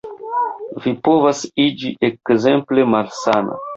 Vi povas iĝi ekzemple malsana.